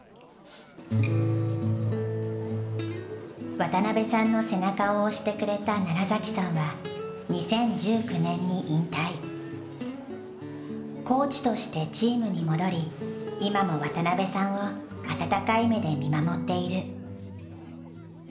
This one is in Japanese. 渡邉さんの背中を押してくれたさんはコーチとしてチームに戻り今も渡邉さんを温かい目で見守っている。